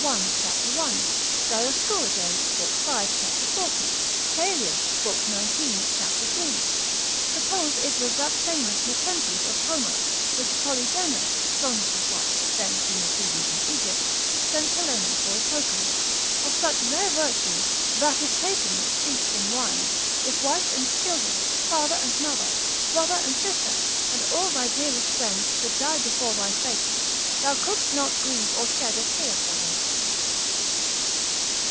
1. cap. 1. Dioscorides, lib. 5. cap. 40. Caelius, lib. 19. c. 3. suppose it was that famous Nepenthes of Homer, which Polydaenna, Thonis's wife (then king of Thebes in Egypt), sent Helena for a token, of such rare virtue, that if taken steeped in wine, if wife and children, father and mother, brother and sister, and all thy dearest friends should die before thy face, thou couldst not grieve or shed a tear for them.